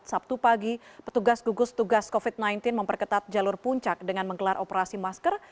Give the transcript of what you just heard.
sabtu pagi petugas gugus tugas covid sembilan belas memperketat jalur puncak dengan menggelar operasi masker